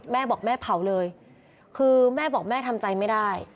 แม่บอกแม่เผาเลยคือแม่บอกแม่ทำใจไม่ได้